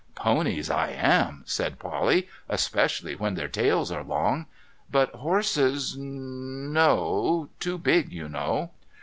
' Ponies, I am,' said Polly, ' especially when their tails are long. But horses — n — no — too big, you know.'